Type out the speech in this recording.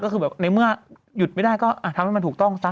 ก็คือแบบในเมื่อหยุดไม่ได้ก็ทำให้มันถูกต้องซะ